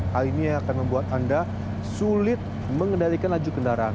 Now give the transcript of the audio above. hal ini yang akan membuat anda sulit mengendalikan laju kendaraan